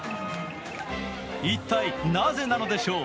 一体なぜなのでしょう。